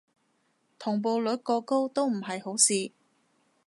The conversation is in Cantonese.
同步率過高都唔係好事